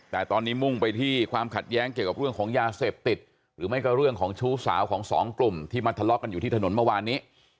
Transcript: แต่ตอนนี้มุ่งไปที่ความขัดแย้งเกี่ยวกับเรื่องของยาเสพติดหรือไม่ก็เรื่องของชู้สาวของสองกลุ่มที่มาทะเลาะกันอยู่ที่ถนนเมื่อวานนี้